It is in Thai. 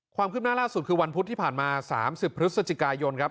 ความคืบหน้าล่าสุดคือวันพุธที่ผ่านมา๓๐พฤศจิกายนครับ